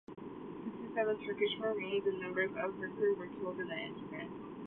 Sixty-seven Turkish marines and members of her crew were killed in the incident.